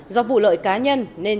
do vụ lợi cá nhân nên